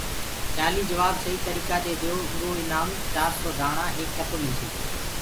کيآليٚ جبآب سهيٚ تريٚڪآ دي دئيو ايٚرو ايٚنآم چآرسو دآڻآ ايڪ ٽڪو ملسيٚ